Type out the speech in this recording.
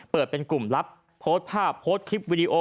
เป็นกลุ่มลับโพสต์ภาพโพสต์คลิปวิดีโอ